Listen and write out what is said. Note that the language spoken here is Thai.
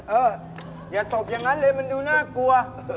เอออย่าตบอย่างนั้นเลยมันดูน่ากลัว